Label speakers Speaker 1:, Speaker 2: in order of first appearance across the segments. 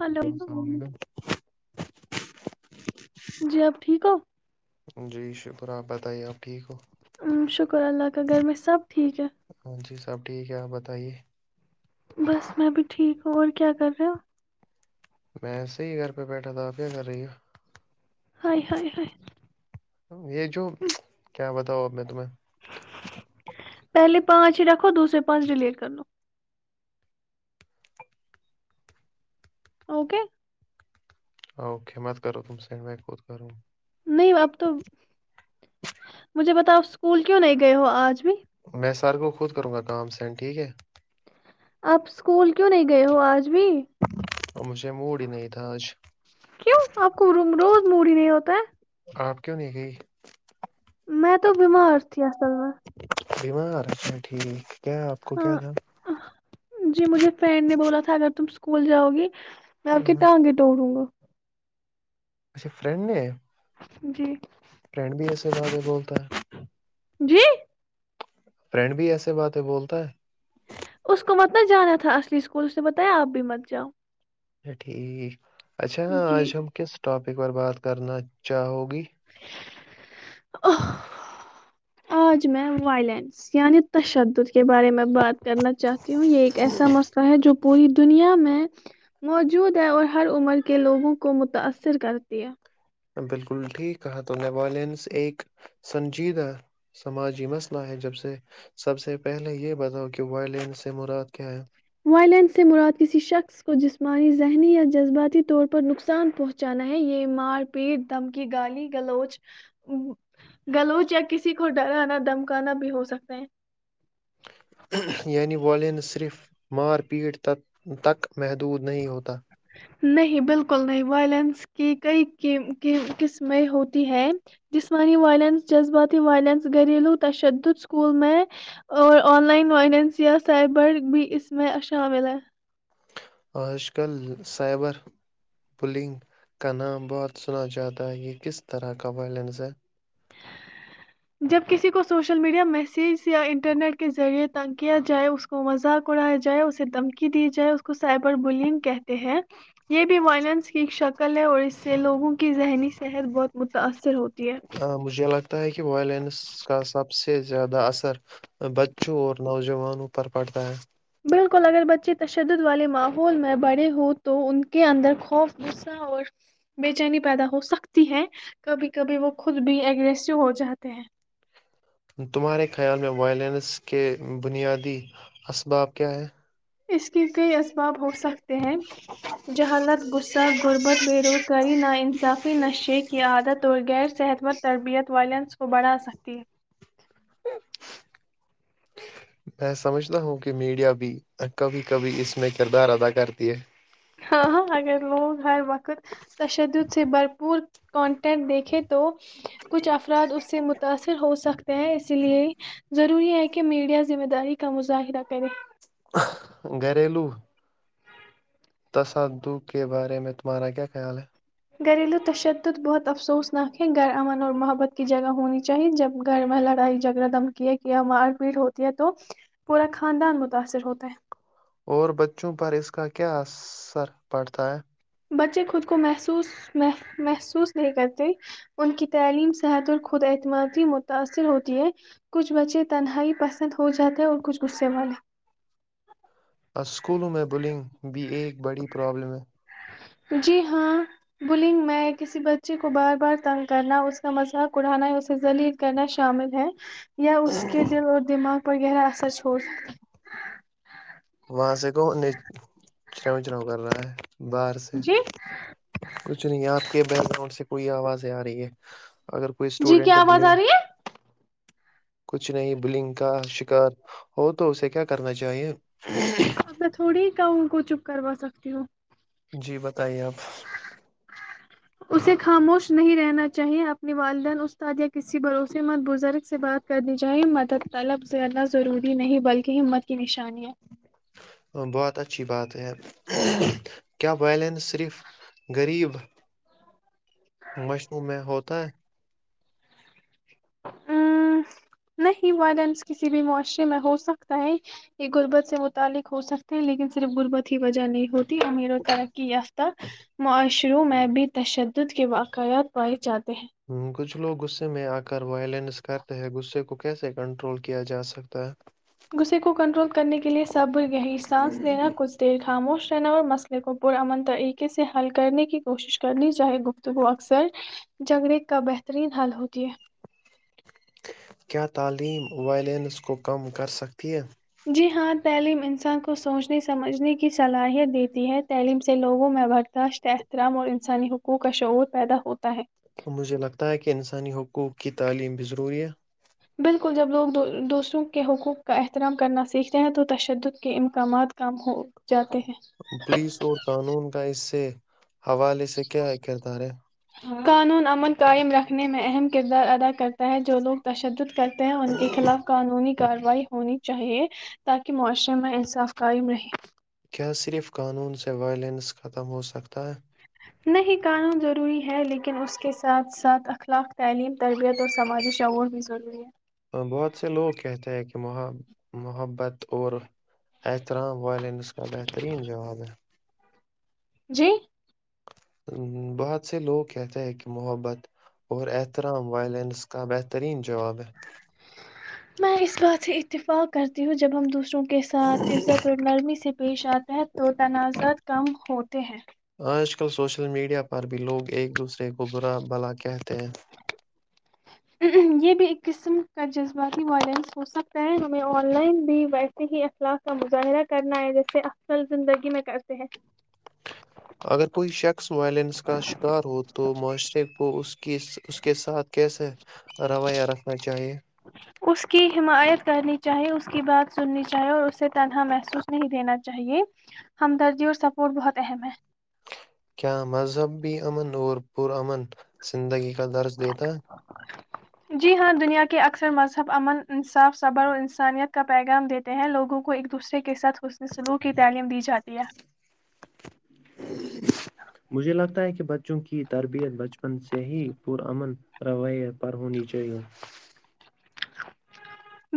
Speaker 1: hello
Speaker 2: تو سامنے کا
Speaker 1: جی آپ ٹھیک ہو
Speaker 2: جی شکرہ آپ بتائیے آپ ٹھیک ہو
Speaker 1: ہوں شکر اللہ ت گھر میں سب ٹھیک ہے
Speaker 2: ہاں جی سب ٹھیک ہے آپ بتائیے
Speaker 1: بس میں بھی ٹھیک ہوں اور کیا کر رہےا
Speaker 2: میں صح ہی گھر پہ بیٹھا تھا آپ کیا کر رہی ہو
Speaker 1: [unintelligible]
Speaker 2: یہ جو
Speaker 1: ام،
Speaker 2: کیا بتاؤ اب میں تمہیں
Speaker 1: پہلے پانچ ہی رکھو دوسرے پانچ ڈیلیٹ کر لو اوکے
Speaker 2: ا کے مت کرو تم سینڈ بک خود کر
Speaker 1: نہیں اب تو مجھے بتاؤ اسکول کیوں نہیں گئے ہو آج بھی
Speaker 2: میں سر کو خود کروں گا کام سینڈ ٹھیک ہے
Speaker 1: آپ اسکول کیوں نہیں گئے ہو آج بھی
Speaker 2: اور مجھے موڑ ہی نہیں تھا آج
Speaker 1: موڑی نہیں ہوتا ہے
Speaker 2: آپ کیوں نہیں گئی
Speaker 1: میں تو بیمار تھی ا سلا
Speaker 2: بیمارھا ٹھیک کیا آپ کو کیا
Speaker 1: ہاں
Speaker 2: تھا
Speaker 1: جی مجھے فرینڈ نے بولا تھا اگر تم اسکول جاؤ گی میں آپ کے
Speaker 2: ہاں،
Speaker 1: ٹانگ توٹڑوں گا
Speaker 2: اچھا فرینڈ نے
Speaker 1: جی
Speaker 2: زدہ بولتا ہے
Speaker 1: جی
Speaker 2: فرینڈ بھی ایسے بات ہے بولتا ہے
Speaker 1: اس کو مت نہ جانا تھا اصلی اسکول اس نے بتایا آپ بھی مت جاؤ
Speaker 2: اچھا ٹھیک اچھا آج
Speaker 1: جی
Speaker 2: ہم کس ٹاپک پر بات کرنا چاہو گی
Speaker 1: آج میں وائلینس یعنی تشدد کے بارے میں بات کرنا چاہتی ہوں یہ ایک ایسا مسئلہ ہے جو پوری دنیا میں موجود ہے اور ہر عمر کے لوگوں کو متاثر کرتی ہے
Speaker 2: بالکل ٹھیک کہا تو نے وائلینس ایک سنجیدہ سماجی مسئلہ ہے جب سے سب سے پہلے یہ بتاؤ کہ وائلینس سے مراد کیا ہے
Speaker 1: ولین سے مراد کسی شخص کو جسمانی ذہنی یا جذباتی طور پر نقصان پہنچانا ہے یہ مار پیٹ دھمکی گالی گلوچ یا کسی کو ڈرانا دمکانا بھی ہو سکتا ہے
Speaker 2: یعنی والین صرف مار پیٹ ت تک محدود نہیں ہوتا
Speaker 1: نہیں بالکل نہیں وائلنس کی کئی قسمیں ہوتی ہے جسمانی وائلنس جذباتی وائلنس گھریلو تشدد اسکول میں اور آن لائن وائلنس یا سائبر بھی اس میں شامل ہے
Speaker 2: آج کل سائبر بلنگ کا نام بہت سنا جاتا ہے یہ کس طرح کا وائلنس ہے
Speaker 1: جب کسی کو سوشل میڈیا میسیج یا انٹرنیٹ کے ذریعے تنگ کیا جائے اس کو مذاق اڑایا جائے اسے دھمکی دی جائے اس کو سائبر بلینگ کہتے ہیں یہ بھی وائلینس کی شک قلعے اور اس سے لوگوں کی ذہنی صحت بہت متاأثر ہوتی ہے
Speaker 2: ہاں مجھے لگ یہ کہ وائلینس کا سب سے زیادہ اثر بچوں اور نوجوانوں پر پڑتا ہے
Speaker 1: ل کول اگر بچے تشدد والے ماحول میں بڑے ہووں تو ان کے اندر خوف غصہ اور بے چینی پیدا ہو سکتی ہے کبھی کبھی وہ خود بھی ایگریسو ہو جاتے ہیں
Speaker 2: تمہارے خیال میں وائلنس کے بنیادی اسباب کیا ہے
Speaker 1: اس کے کئی اسباب ہو سکتے ہیں جہالت غصہ غربت بے روزگاری نا انصافی نشے کی عادت اور غیر صحت مند تربیت والائلینس کو بڑھا سکتی ہے
Speaker 2: میں سمجھتا ہوں کہ میڈیا بھی کبھی کبھی اس میں کردار ادا کرتی ہے
Speaker 1: ہاں ہاں اگر لوگ ہر وقت تشدد سے بھرپور کنٹینٹ دیکھیں تو کچھ افراد اس سے متاثر ہو سکتے ہیں اسی لیے ضروری ہے کہ میڈیا ذمہ داری کا مظاہرہ کرے
Speaker 2: گھریلو تصد کے بارے میں تمہارا کیا خیال ہے
Speaker 1: گھریلو تشدد بہت افسوسنااکک ہے گھر امن اور محبت کی جگہ ہونی چاہیے جب گھر میں لڑائی جھگڑا دھمکیے یا مار پیٹ ہوتی ہے تو پورا خاندان متاثر ہوتا ہے
Speaker 2: اور بچوں پر اس کا کیا اثر پڑتا ہے
Speaker 1: بچے خود کو محسوس محسوس نہیں کرتی ان کی تعلیم صحت اور خود اعتمادی متاثر ہوتی ہے کچھ بچے تنہائی پسند ہو جاتا ہے اور کچھ غصے والے
Speaker 2: اسکولوں میں بلنگ بھی ایک بڑی پرابلم ہے
Speaker 1: جی ہاں بلنگ میں کسی بچے کو بار بار تنگ کرنا اس کا مذاق اڑانا یا اسے لیل کرنا شامل ہے یا اس کے دل اور دماغ پر گرا اثر چھوڑ سک
Speaker 2: وہاں سے کون نے چرو چرو کر رہا ہے باہر سے
Speaker 1: جی
Speaker 2: کچھ نہیں ہے آپ کے بیک گراؤنڈ سے کوئی آواز آ رہی ہے اگر کوئی
Speaker 1: جی
Speaker 2: اسٹوڈینٹ
Speaker 1: کیا آواز
Speaker 2: بلیں
Speaker 1: آ رہی ہے
Speaker 2: کچھ نہیں بلنگ کا شکار ہو تو اسے کیا کرنا چاہیئے
Speaker 1: انا تھوڑی [unintelligible] کاوں کو چپ کروا سکتی ہوں
Speaker 2: جی بتائیے آپ
Speaker 1: اسے خاموش نہیں رہنا چاہیے اپنی والدین استاد یا کسی بھروسے مت بزرگ سے بات کرنی چاہی مدد طلب زدنا ضروری نہیں بلکہ ہمت کی نش
Speaker 2: بہت اچھی بات ہے کیا بیلنس صرف غریب مشنوع میں ہوتا
Speaker 1: نہیں والدنس کسی بھی معاشرے میں ہو سکتا ہے یہ غربت سے متعلق ہو سکتے ہیں لیکن صرف غربت ہی وجہ نہیں ہوتی میرو ترقی تک معاشروں میں بھی تشدد کے واقعات پائے جاتے ہیں
Speaker 2: کچھ لوگ غصے میں آکر وائلنس کرتے ہیں غصے کو کیسے کنٹرول کیا جاسکتا ہے
Speaker 1: غصے کو کنٹرول کرنے کے لئے صبر یہی سانس لینا کچھ دیر خاموش نور مسلے کو پرامن طریقے سے حل کرنے کی کوشش کرنی چاہے گفتگو اکثر جنگڑ کا بہترین حل ہوتی ہے
Speaker 2: کیا تعلیم وائلینس کو کم کر سکتی ہے
Speaker 1: جی ہاں تعلیم انسان کو سوچنے سمجھنے کی صلاحیت دیتی ہے تعلیم سے لوگوں میں برداشت احترام اور انسانی حقوق کا شعور پیدا ہوتا ہے
Speaker 2: مجھے لگتا ہے کہ انسانی حقوق کی تعلیم بھی ضروری ہے
Speaker 1: بالکل جب لوگ دوسروں کے حقوق کا احترام کرنا سیکھتے ہیں تو تشدد کے امکامات کم ہوں
Speaker 2: پولیس اور قانون کا اس سے حوالی سے کے ہکرتار
Speaker 1: قانون امن قائم رکھنے میں اہم کردار ادا کرتا ہے جو لوگ تشدد کرتے ہیں ان کے خلاف قانونی کارروائی ہونی چاہیے تاکہ معاشرے میں انصاف قائم رہے
Speaker 2: کیا صرف قانون سے وائلنس ختم ہو سکتا ہے
Speaker 1: نہیں قانون ضروری ہے لیکن اس کے ساتھ ساتھ اخلاق تعلیم تربیت اور سماجی شعور بھی ضروری ہے
Speaker 2: بہت سے لوگ کہتے ہیں کہ محبت اور ا احترام وائلینس کا بہترین جواب ہے
Speaker 1: جی
Speaker 2: بہت سے لوگ کہتے ہیں کہ محبت اور احترام وائلنس کا بہترین جواب ہے
Speaker 1: میں اس بات سے اتفاق کرتی ہوں جب ہم دوسروں کو کے ساتھ عزت اور نرمی سے پیش آتا ہے تو تنازعات کم ہوتے ہیں
Speaker 2: آج کل سوشل میڈیا پر بھی لوگ ایک دوسرے کو برا بھلا کہتے ہیں
Speaker 1: یہ بھی ایک قسم کا جذباتی وائلنس ہو سکتا ہے انیں آن لائن بھی ویسے ہی اخلاق کا مظاہرہ کرنا ہے جیسے اکصل زندگی میں کرتے ہیں
Speaker 2: اگر کوئی شخص وائلنس کا شکار ہو تو معاشرے کو اس کے اس کے ساتھ کیسے رویہ رکھنا چاہیے
Speaker 1: اس کی حمایت کرنی چاہیے اسس کی بات سننی چاہی اور اسے تنہا محسوس نہیں دینا چاہیے ہمدردی اور سپورٹ بہت اہم ہے
Speaker 2: کیا مذہبی امن اور پر امن زندگی کا درس دیتا ہے
Speaker 1: جی ہاں دنیا کے اکثر مذہب امن انصاف صبر اور انسانیت کا پیغام دیتے ہیں لوگوں کو ایک دوسرے کے ساتھ حسن سلوک کی تعلیم دی جاتی ہے
Speaker 2: مجھے لگتا ہے کہ بچوں کی تربیت بچپن سے ہی پرامن روایت پر ہونی چاہیے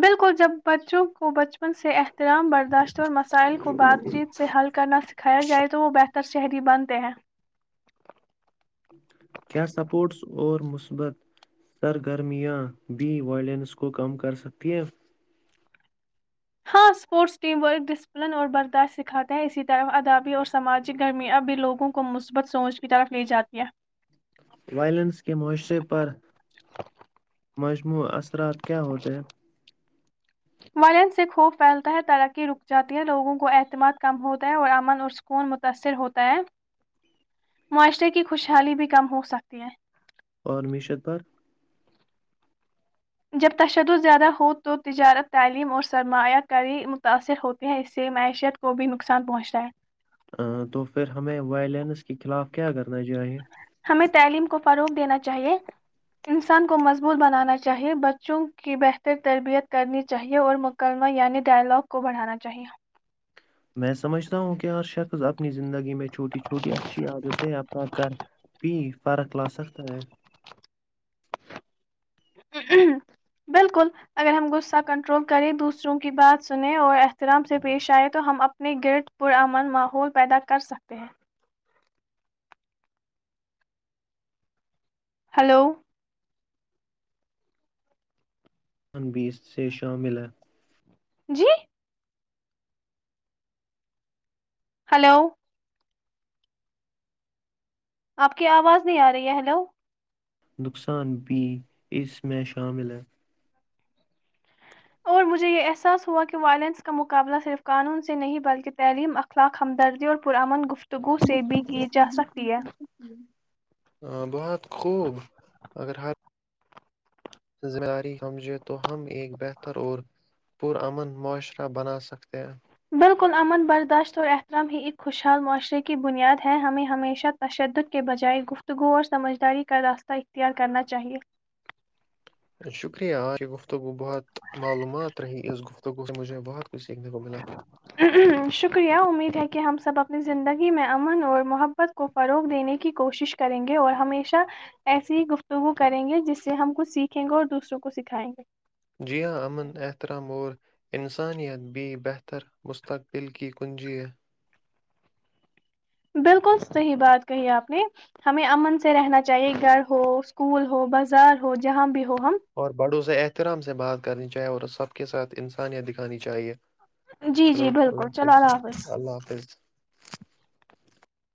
Speaker 1: بالکل جب بچوں کو بچپن سے اترام برداشت اور مسائل کو بات چیت سے حل کرنا سکھایا جائے تو وہ بہتر نہ شہری بنتے ہیں
Speaker 2: کیا سپورٹس اور مثبت سرگرمیاں بھی وائلنس کو کم کرسکتی ہیں
Speaker 1: ہاں اسپورٹس ٹیم ورک ڈسپلن اور برداشت سکھاتے ہیں اسی طرح ادبی اور سماجی گرمیاں بھی لوگوں کو مثبت سوچ کی طرف لی جاتی ہیں
Speaker 2: وائلنس کے معاشرے پر مجموع اثرات کیا ہوتے ہیں
Speaker 1: فلن سے خوف پھیلتا ہے ترقی رک جاتی ہے لوگوں کو اعتماد کم ہوتا ہے اور امن اور سکون متاثر ہوتا ہے معاشرے کی خوشحالی بھی کم ہو سکتی ہے
Speaker 2: اور معیشت پر
Speaker 1: جب تشدد زیادہ ہو تو تجارت تعلیم اور سرمایہ کاری متاثر ہوتی ہے اس سے معیشت کو بھی نقصان پہنچتا ہے
Speaker 2: ہممم تو پھر ہمیں وائلینس کے خلاف کیا کرنا چاہیے
Speaker 1: ہمیں تعلیم کو فروغ دینا چاہیے انسان کو مضبوط بنانا چاہیے بچوں کی بہتر تربیت کرنی چاہیے اور مکمہ یعنی ڈائلاگ کو بڑھانا چاہیے
Speaker 2: میں سمجھتا ہوں کہ ہر شخص اپنی زندگی میں چھوٹی چھوٹی اچھی عادت ہے اپنا کر پی فرق لا سکتا ہے
Speaker 1: بالکل اگر ہم غصہ کنٹرول کریں دوسروں کی بات سنیں اور احترام سے پیش آئےیں تو ہم اپنے گرد پرامن ماحول پیدا کرسکتے ہیں ہلو
Speaker 2: ان بھی سے شامل ہے
Speaker 1: جی ہیلو آپ کی آواز نہیں آ رہی ہے ہلو
Speaker 2: نقصان بھی اس میں شامل ہے
Speaker 1: اور مجھے یہ احساس ہوا کہ وائلینس کا مقابلہ صرف قانون سے نہیں بلکہ تعلیم اخلاق ہمدردی اور پر اامن گفتگوس
Speaker 2: ہاں بہت خوب اگر ہر ذمہ داری سمجھے تو ہم ایک بہتر اور پرامن معاشرہ بنا سکتے ہیں
Speaker 1: بالکل امن برداشت اور احترام ہی ایک خوشحال معاشرے کی بنیاد ہے ہمیں ہمیشہ تشدد کے بجائے گفتگو اور سمجھداری کا راستہ اختیار کرنا چاہیئے
Speaker 2: شکریہ یہ گفتگو بہت معلومات رہی اس گفتگو سے مجھے بہت کچھ سیکھنے کو ملا
Speaker 1: شکریہ امید ہے کہ کہ ہم سب اپنی زندگی میں امن اور محبت کو فروغ دینے کی کوشش کریں گے اور ہمیشہ ایسی ہی گفتگو کریں گے جس سے ہم کچھ سیکھیں گے اور دوسروں کو سکھائیں گے
Speaker 2: جی ہاں امن احترام اور انسانیت بھی بہتر مستقبل کی کنجیہ
Speaker 1: بالکل صحیح بات کہی آپ نے ہمیں امن سے رہنا چاہیے گھر ہو اسکول ہو بازار ہو جہاں بھی ہو ہم
Speaker 2: اور بڑو سے احترام سے بات کرنی چاہے اور سب کے ساتھ انسانیت دکھانی چاہیے
Speaker 1: جی جی
Speaker 2: چلو اللہ
Speaker 1: بالکل چلو
Speaker 2: حافظ اللہ حافظ